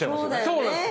そうなんです。